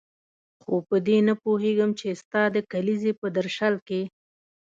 خو په دې نه پوهېږم چې ستا د کلیزې په درشل کې.